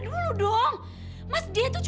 bisa liat sedikit